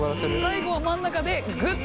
最後は真ん中でグッと。